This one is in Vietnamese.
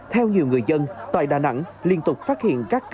theo nhiều người dân tại đà nẵng liên tục phát hiện các ca mắc